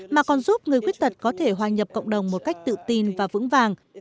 mà còn giúp người khuyết tật có thể hòa nhập cộng đồng một cách tự tin và vững vàng